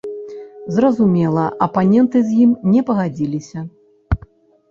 Зразумела, апаненты з ім не пагадзіліся.